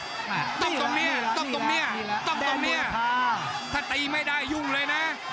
ต้องตรงเนี้ยต้องตรงเนี้ยต้องตรงเนี้ยถ้าตีไม่ได้ยุ่งเลยนะ